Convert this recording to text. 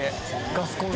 ガスコンロ。